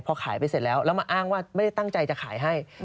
พอขายไปเสร็จแล้วแล้วมาอ้างว่าไม่ได้ตั้งใจจะขายให้